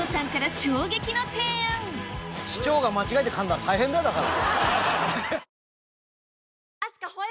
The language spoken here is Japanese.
市長が間違えてかんだら大変だよだから。